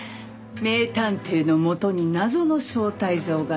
名探偵のもとに謎の招待状が届く。